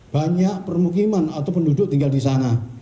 banyak permukiman atau penduduk tinggal di sana